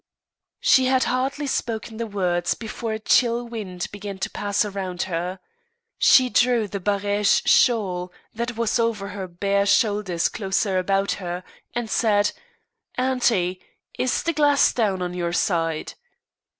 She had hardly spoken the words before a chill wind began to pass round her. She drew the Barège shawl that was over her bare shoulders closer about her, and said "Auntie! is the glass down on your side?"